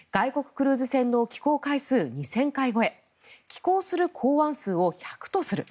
クルーズ船の寄港回数２０００回超え寄港する港湾数を１００とする。